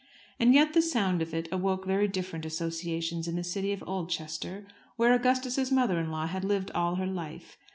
And yet the sound of it awoke very different associations in the city of Oldchester, where Augustus's mother in law had lived all her life.